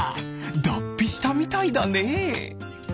だっぴしたみたいだねえ。